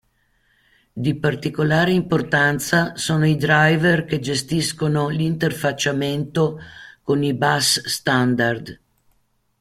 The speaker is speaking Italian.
Di particolare importanza sono i driver che gestiscono l'interfacciamento con i bus standard.